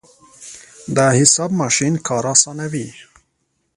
د حساب ماشین کار اسانوي.